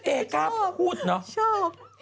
เอ๊ก้าวพูดเนอะชอบ